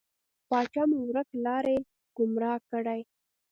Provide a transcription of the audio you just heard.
پاچا مو ورک لاری، ګمرا کړی.